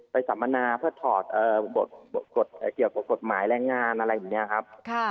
ไปสำนาเพื่อถอดเกี่ยวกับกฎหมายแรงงานอะไรอย่างนี้ครับ